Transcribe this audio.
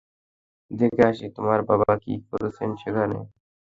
দেখে আসি তোমার বাবা কী করছেন সেখানে।